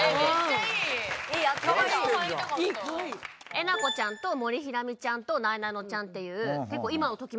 えなこちゃんと森日菜美ちゃんとなえなのちゃんとあと村重。